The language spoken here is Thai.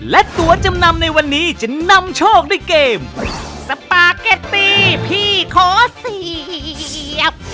และตัวจำนำในวันนี้จะนำโชคด้วยเกมสปาเก็ตตี้พี่ขอเสียบ